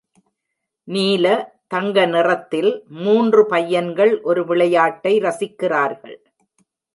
நீல, தங்க நிறத்தில் மூன்று பையன்கள் ஒரு விளையாட்டை ரசிக்கிறார்கள்.